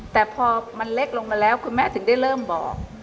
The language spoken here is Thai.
แต่พอมันเล็กลงมาแล้วคุณแม่ถึงได้เริ่มบอก